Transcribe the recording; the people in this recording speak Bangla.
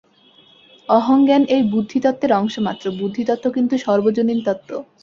অহংজ্ঞান এই বুদ্ধিতত্ত্বের অংশ মাত্র, বুদ্ধিতত্ত্ব কিন্তু সর্বজনীন তত্ত্ব।